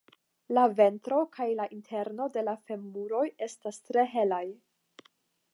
La ventro kaj la interno de la femuroj estas tre helaj.